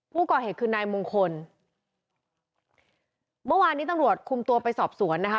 ผู้ก่อเหตุคือนายมงคลเมื่อวานนี้ตำรวจคุมตัวไปสอบสวนนะคะ